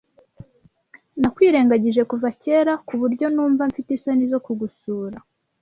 Nakwirengagije kuva kera kuburyo numva mfite isoni zo kugusura.